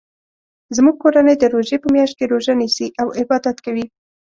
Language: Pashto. زموږ کورنۍ د روژی په میاشت کې روژه نیسي او عبادت کوي